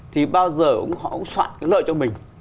thì bao giờ họ cũng soạn lợi cho mình